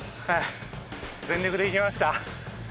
はい全力で行きました。